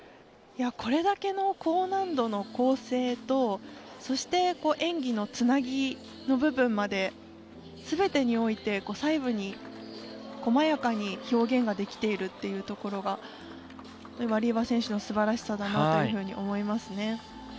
これだけの高難度の構成とそして演技のつなぎの部分まで全てにおいて細部に細やかに表現ができているというところがワリエワ選手の素晴らしさだなと思いますね。